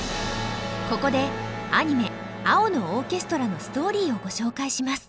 ここでアニメ「青のオーケストラ」のストーリーをご紹介します。